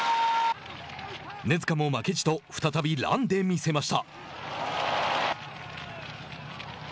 根塚も負けじと再びランで見せました。